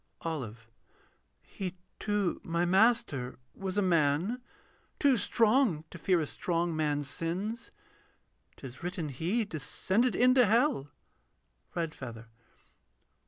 OLIVE. He too, my Master, was a man: too strong To fear a strong man's sins: 'tis written He Descended into hell. REDFEATHER.